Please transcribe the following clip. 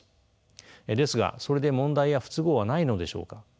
ですがそれで問題や不都合はないのでしょうか。